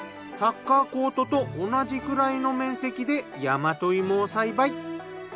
サッカーコートと同じくらいの面積で大和芋を栽培。